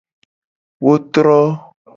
Wo tro.